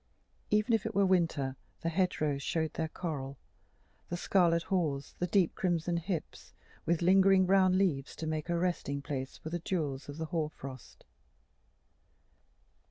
Even if it were winter, the hedgerows showed their coral, the scarlet haws, the deep crimson hips, with lingering brown leaves to make a resting place for the jewels of the hoar frost.